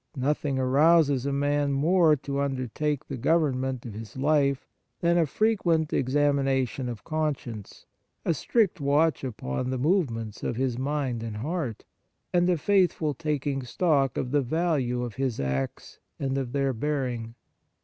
Nothing arouses a man more to undertake the government of his life than a frequent examination of con science, a strict watch upon the movements of his mind and heart, and a faithful taking stock of the value of his acts and of their bear ing.